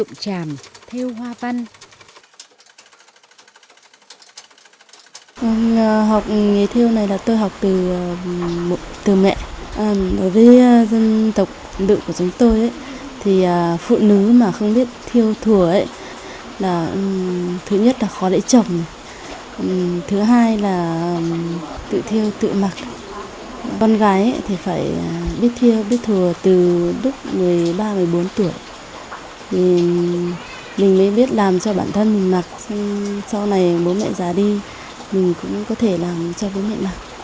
mình mới biết làm cho bản thân mình mặc sau này bố mẹ già đi mình cũng có thể làm cho bố mẹ mặc